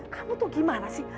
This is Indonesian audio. kamu tuh gimana sih